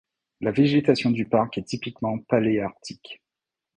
La végétation du parc est typiquement paléarctique.